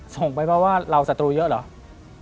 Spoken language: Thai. ส่งไปเพราะว่าเราศัตรูเยอะเหรอ